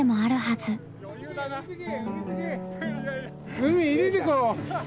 海入れてこ。